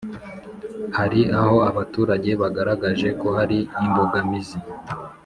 hari aho abaturage bagaragaje ko hari imbogamizi